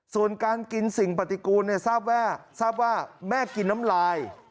ส่วนการกินสิ่งปฏิกูลทราบว่าแม่กินน้ำลาย